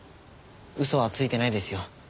嘘はついてないですよ。